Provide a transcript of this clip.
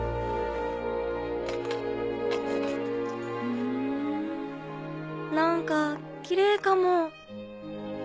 ふん何かきれいかも。